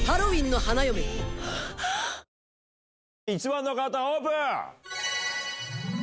１番の方オープン！